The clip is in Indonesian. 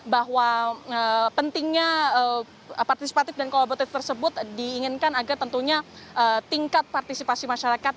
bahwa pentingnya partisipatif dan kolaboratif tersebut diinginkan agar tentunya tingkat partisipasi masyarakat